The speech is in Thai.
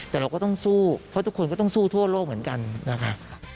แต่เราก็ต้องสู้เพราะทุกคนก็ต้องสู้ทั่วโลกเหมือนกันนะคะ